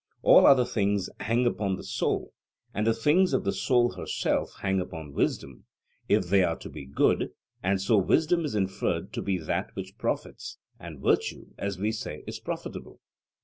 All other things hang upon the soul, and the things of the soul herself hang upon wisdom, if they are to be good; and so wisdom is inferred to be that which profits and virtue, as we say, is profitable?